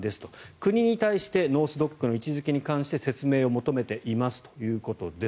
国に対してノース・ドックの位置付けに関して説明を求めていますということです。